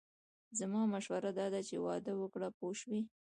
زما مشوره داده چې واده وکړه پوه شوې!.